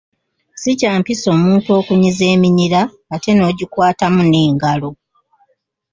Si kya mpisa omuntu okunyiza eminyira ate n’ogikwatamu n’engalo.